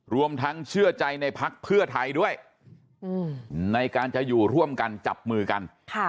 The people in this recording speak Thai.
รวมทั้งเชื่อใจในพักเพื่อไทยด้วยในการจะอยู่ร่วมกันจับมือกัน